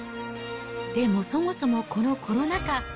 でも、そもそもこのコロナ禍。